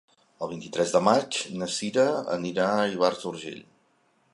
El vint-i-tres de maig na Cira anirà a Ivars d'Urgell.